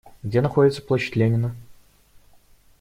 Где находится площадь Ленина?